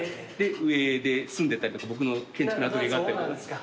上で住んでたりとか僕の建築のアトリエがあったりとか。